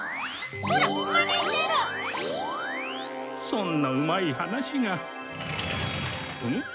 そんなうまい話が。おっ？